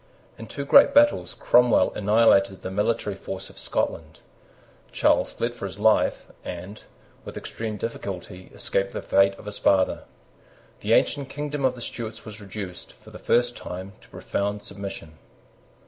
In two great battles Cromwell annihilated the military force of Scotland. Charles fled for his life, and, with extreme difficulty, escaped the fate of his father. The ancient kingdom of the Stuarts was reduced, for the first time, to profound submission.